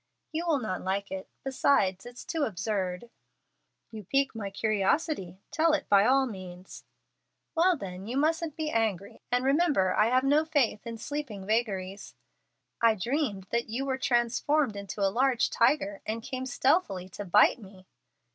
"You will not like it. Besides, it's too absurd." "You pique my curiosity. Tell it by all means." "Well, then, you mustn't be angry; and remember, I have no faith in sleeping vagaries. I dreamed that you were transformed into a large tiger, and came stealthily to bite me."